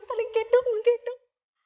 paling gedung menggeduk